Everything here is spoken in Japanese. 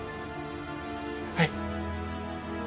はい。